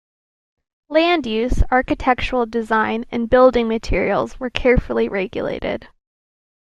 Land use, architectural design and building materials were carefully regulated.